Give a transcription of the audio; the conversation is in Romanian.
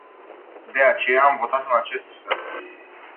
De aceea am votat în acest fel.